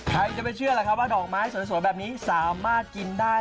ใครจะไปเชื่อล่ะครับว่าดอกไม้สวยแบบนี้สามารถกินได้